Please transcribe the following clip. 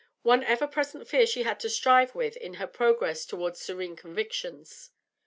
One ever present fear she had to strive with in her progress toward serene convictions.